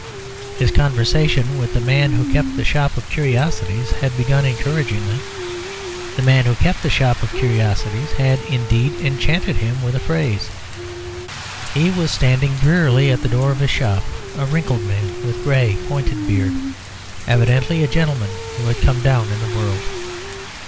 His conversation with the man who kept the shop of curiosities had begun encouragingly. The man who kept the shop of curiosities had, indeed, enchanted him with a phrase. He was standing drearily at the door of his shop, a wrinkled man with a grey pointed beard, evidently a gentleman who had come down in the world.